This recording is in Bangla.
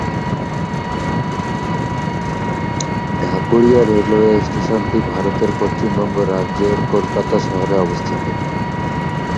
ঢাকুরিয়া রেলওয়ে স্টেশনটি ভারতের পশ্চিমবঙ্গ রাজ্যের কলকাতা শহরে অবস্থিত।